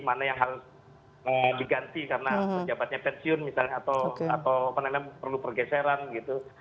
mana yang harus diganti karena pejabatnya pensiun misalnya atau perlu pergeseran gitu